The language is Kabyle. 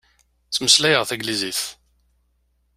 Ttmeslayeɣ taglizit.